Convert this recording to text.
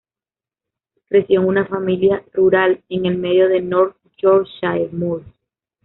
Creció en una familia rural en el medio de North Yorkshire Moors.